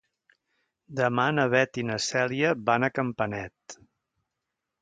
Demà na Beth i na Cèlia van a Campanet.